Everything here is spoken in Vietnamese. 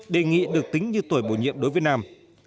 đề nghị được tính như tuổi bổ nhiệm đối với nam